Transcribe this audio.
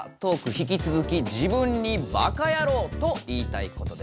引き続き「自分に『バカヤロウ』と言いたいこと」です。